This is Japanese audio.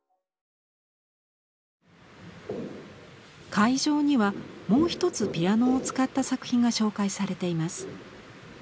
会場にはもう一つピアノを使った作品が紹介されています。